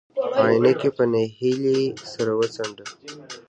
عينکي په نهيلۍ سر وڅنډه.